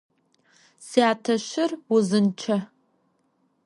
Syateşır vuzınççe.